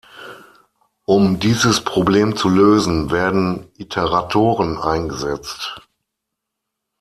Um dieses Problem zu lösen, werden Iteratoren eingesetzt.